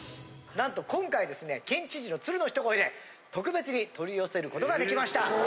何と今回はですね県知事の鶴の一声で特別に取り寄せることができました。